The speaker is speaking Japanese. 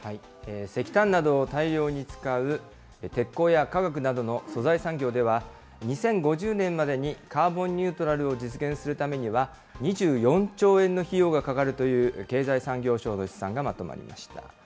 石炭などを大量に使う、鉄鋼や化学などの素材産業では、２０５０年までにカーボンニュートラルを実現するためには、２４兆円の費用がかかるという経済産業省の試算がまとまりました。